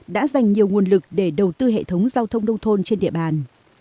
đã dành nhiều nguồn lực để đầu tư hệ thống giao thông nông thôn trên địa bàn